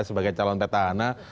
sebagai calon peta ana